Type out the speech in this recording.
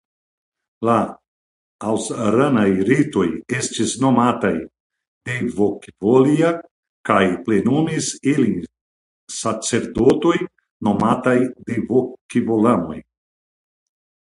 La ausranaj ritoj estis nomataj deivokvolia kaj plenumis ilin sacerdotoj nomataj deivokvolamoj.